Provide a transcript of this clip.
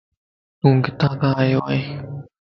تون ڪٿي کان آيو وئين ؟